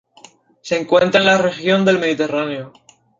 Se encuentra en la región del Mediterráneo.